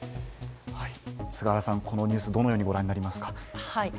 菅原さん、このニュース、どのようにご覧になりますか？